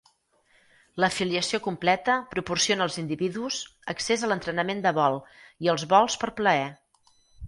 L'afiliació completa proporciona als individus accés a l'entrenament de vol i als vols per plaer.